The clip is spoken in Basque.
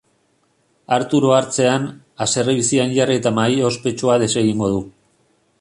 Artur ohartzean, haserre bizian jarri eta mahai ospetsua desegingo du.